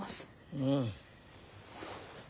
うん。